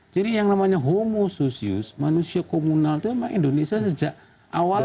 jadi yang namanya homo sosius manusia komunal itu memang indonesia sejak awalnya